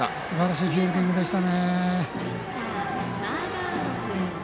すばらしいフィールディングでしたね。